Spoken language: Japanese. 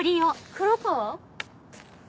黒川